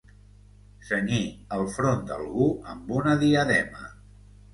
Cenyir el front d'algú amb una diadema.